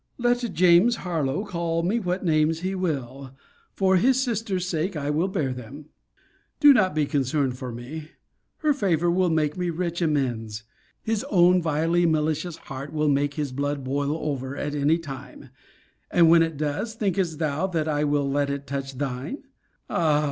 Let James Harlowe call me what names he will, for his sister's sake I will bear them. Do not be concerned for me; her favour will make me rich amends; his own vilely malicious heart will make his blood boil over at any time; and when it does, thinkest thou that I will let it touch thine? Ah!